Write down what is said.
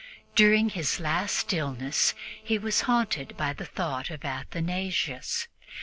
During his last illness he was haunted by the thought of Athanasius.